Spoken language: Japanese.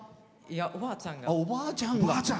おばあちゃんが。